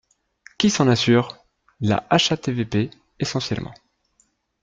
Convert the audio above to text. Qui s’en assure ? La HATVP essentiellement.